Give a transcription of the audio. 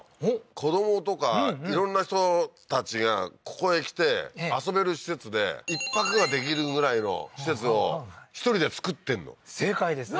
子供とか色んな人たちがここへ来て遊べる施設で１泊ができるぐらいの施設を１人で造ってんの正解です